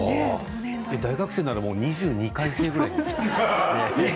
大学生だと２２回生くらい？